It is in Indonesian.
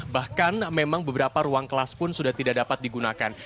bahkan memang beberapa ruang kelas pun sudah tidak dapat digunakan